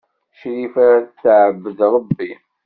Crifa tɛebbed Ṛebbi.